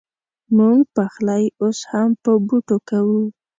مونږ پخلی اوس هم په بوټو کوو